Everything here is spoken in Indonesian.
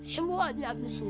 semua di abisin